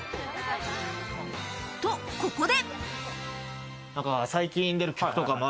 と、ここで。